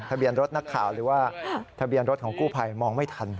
ทะเบียนรถนักข่าวหรือว่าทะเบียนรถของกู้ภัยมองไม่ทัน